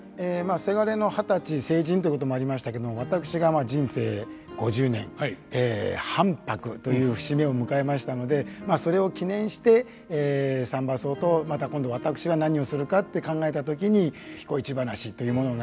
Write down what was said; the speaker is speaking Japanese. せがれの二十歳成人ということもありましたけれども私が人生五十年半白という節目を迎えましたのでそれを記念して「三番叟」とまた今度私が何をするかって考えた時に「彦市ばなし」というものが。